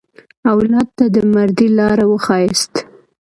اولاد ته د مردۍ لاره وښیاست.